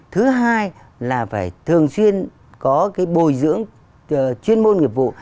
thứ hai là phải thường xuyên có cái bồi dưỡng chuyên môn nghiệp vụ